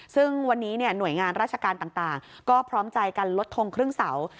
ซึ่งวันนี้หน่วยงานราชการต่างก็พร้อมใจกันลดทงครึ่งเสา